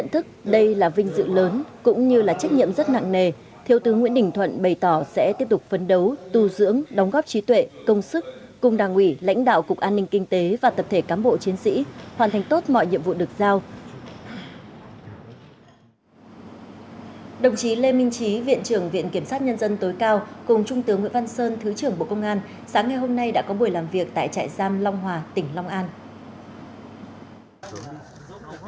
phát biểu nhận nhiệm vụ mới thiếu tướng nguyễn đình thuận gửi lời cảm ơn tới đảng nhà nước chính phủ và các đồng chí trong đảng nhà nước chính phủ và các đồng chí trong đảng nhà nước chính phủ và các đồng chí trong đảng nhà nước chính phủ và các đồng chí trong đảng nhà nước chính phủ và các đồng chí trong đảng nhà nước chính phủ và các đồng chí trong đảng nhà nước chính phủ và các đồng chí trong đảng nhà nước chính phủ và các đồng chí trong đảng nhà nước chính phủ và các đồng chí trong đảng nhà nước chính phủ và các đồng chí trong đảng nhà